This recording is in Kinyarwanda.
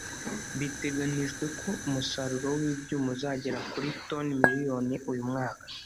Biteganijwe ko umusaruro w'ibyuma uzagera kuri toni miliyoni uyu mwaka